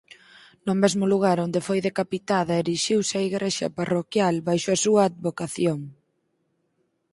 No mesmo lugar onde foi decapitada erixiuse a igrexa parroquial baixo a súa advocación.